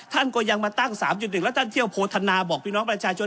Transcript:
ท่านก็ยังมาตั้ง๓๑แล้วท่านเที่ยวโพธนาบอกพี่น้องประชาชน